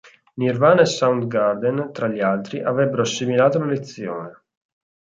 Nirvana e Soundgarden, tra gli altri, avrebbero assimilato la lezione.